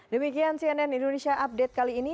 demikian cnn indonesia update kali ini